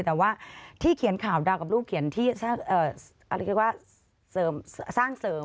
แต่ว่าที่เขียนข่าวดาวกับลูกเขียนที่เรียกว่าสร้างเสริม